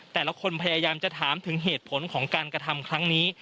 แต่ละคนพยายามจะถามถึงเหตุผลของการกระทำครั้งนี้